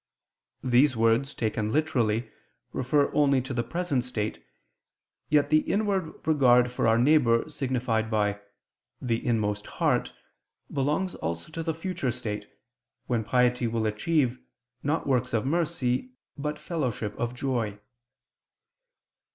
These words taken literally refer only to the present state: yet the inward regard for our neighbor, signified by "the inmost heart," belongs also to the future state, when piety will achieve, not works of mercy, but fellowship of joy.